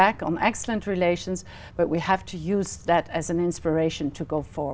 có một vài phương pháp phát triển năng lượng khác